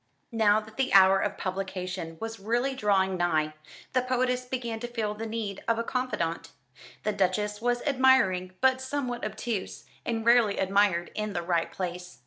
Now that the hour of publication was really drawing nigh, the poetess began to feel the need of a confidante. The Duchess was admiring but somewhat obtuse, and rarely admired in the right place.